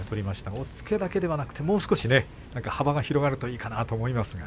押っつけだけではなくもう少し幅が広がるといいかなとそうですね。